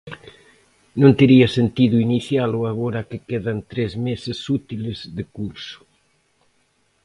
Non tería sentido inicialo agora que quedan tres meses útiles de curso.